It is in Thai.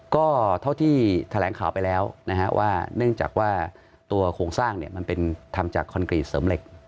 ก็เท่าที่แถลงข่าวไปแล้วนะฮะว่าเนื่องจากว่าตัวโครงสร้างมันเป็นทำจากคอนกรีตเสริมเหล็ก